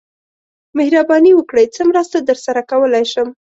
مهرباني وکړئ څه مرسته درسره کولای شم